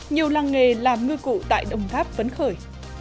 nhiều làng nghề làm ngư cụ tại đồng tháp vấn khởi